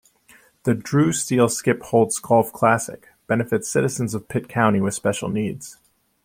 The "Drew Steele-Skip Holtz Golf Classic" benefits citizens of Pitt County with special needs.